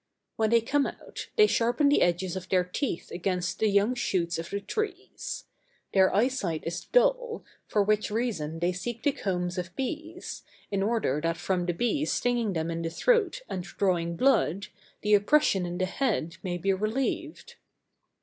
When they come out, they sharpen the edges of their teeth against the young shoots of the trees. Their eye sight is dull, for which reason they seek the combs of bees, in order that from the bees stinging them in the throat and drawing blood, the oppression in the head may be relieved.